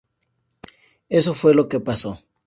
Eso fue lo que pasó.